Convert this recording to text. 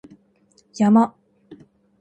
山